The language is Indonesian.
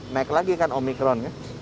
naik lagi kan omikron